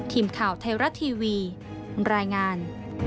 ทีมข่าวไทยรัฐทีวีรายงาน